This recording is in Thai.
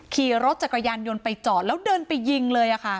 ขี่รถจักรยานยนต์ไปจอดแล้วเดินไปยิงเลย